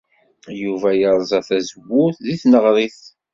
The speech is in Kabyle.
Yuba yerẓa tazewwut deg tneɣrit.